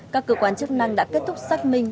các cơ quan chức năng đã kết thúc xác minh